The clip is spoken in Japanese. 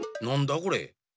これ。